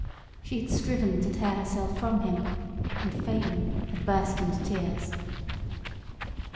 She had striven to tear herself from him, and, failing, had burst into tears.